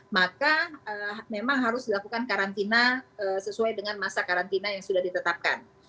maka memang harus dilakukan karantina sesuai dengan masa karantina yang sudah ditetapkan